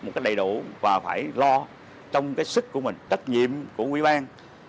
một cách đầy đủ và phải lo trong cái sức của mình trách nhiệm của quỹ ban